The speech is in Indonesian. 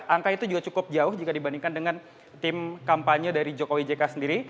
angka itu juga cukup jauh jika dibandingkan dengan tim kampanye dari jokowi jk sendiri